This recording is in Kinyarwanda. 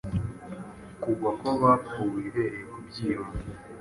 Kugwa kwabapfuye Uhereye ku byiyumvo